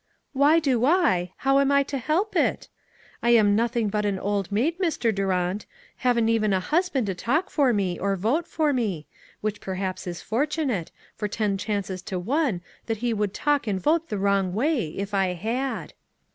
"Why do I! How am I to help it? I am nothing but au old maid, Mr. Durant; haven't even a husband to talk for me, or vote for me ; which perhaps is fortunate, for ten chances to one that he would talk and vote the wrong way, if I had."